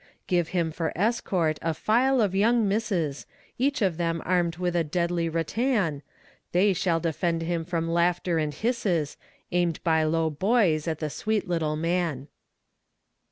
Give him for escort a file of young misses, Each of them armed with a deadly rattan, They shall defend him from laughter and hisses Aimed by low boys at the sweet little man.